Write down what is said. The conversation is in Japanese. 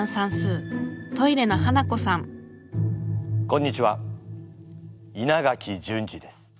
こんにちは稲垣淳二です。